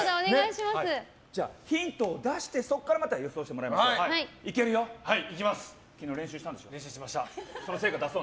じゃあ、ヒントを出してそこからまた予想してもらいましょう。